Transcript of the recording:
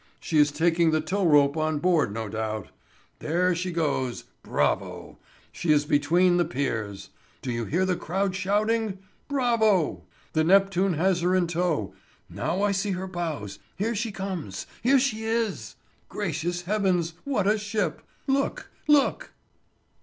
She is taking the tow rope on board no doubt. There she goes. Bravo! She is between the piers! Do you hear the crowd shouting? Bravo! The Neptune has her in tow. Now I see her bows—here she comes—here she is! Gracious Heavens, what a ship! Look! Look!"